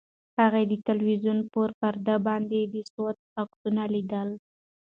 هغې د تلویزیون په پرده باندې د سوات عکسونه لیدل.